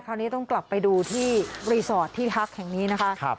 คราวนี้ต้องกลับไปดูที่รีสอร์ทที่ฮักแห่งนี้นะคะ